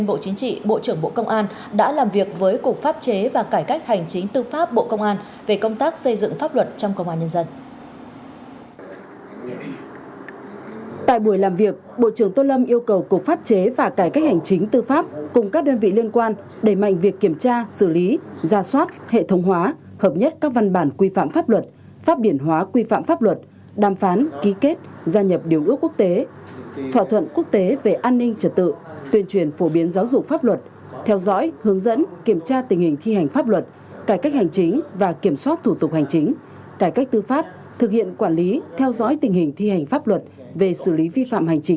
bộ trưởng tôn lâm yêu cầu cục pháp chế và cải cách hành chính tư pháp cùng các đơn vị liên quan đẩy mạnh việc kiểm tra xử lý ra soát hệ thống hóa hợp nhất các văn bản quy phạm pháp luật pháp biển hóa quy phạm pháp luật đàm phán ký kết gia nhập điều ước quốc tế thỏa thuận quốc tế về an ninh trật tự tuyên truyền phổ biến giáo dục pháp luật theo dõi hướng dẫn kiểm tra tình hình thi hành pháp luật cải cách hành chính và kiểm soát thủ tục hành chính cải cách tư pháp thực hiện quản lý theo dõi tình h